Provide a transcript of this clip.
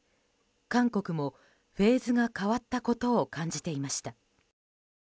韓国もフェーズが変わったことを感じていました。